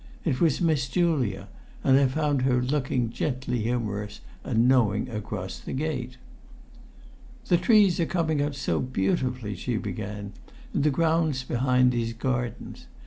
It was Miss Julia, and I found her looking gently humorous and knowing across the gate. "The trees are coming out so beautifully," she began, "in the grounds behind these gardens.